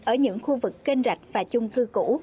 ở những khu vực kênh rạch và chung cư cũ